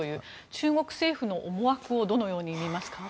中国政府の思惑をどのようにみますか？